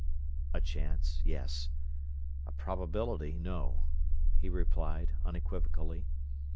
"A chance, yes. A probability, no," he replied, unequivocally.